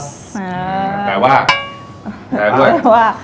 แปลว่า